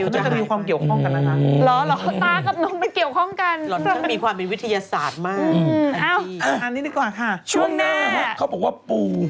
ช่วงหน้าฮะเขาบอกว่าปู